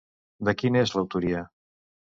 De qui n'és l'autoria?